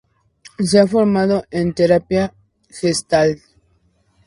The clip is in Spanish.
Se ha formado en Terapia Gestalt.